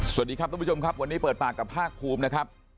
สวัสดีครับทุกผู้ชมครับวันนี้เปิดปากกับภาคภูมินะครับ